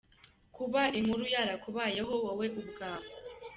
Kuba inkuru yarakubayeho wowe ubwawe;.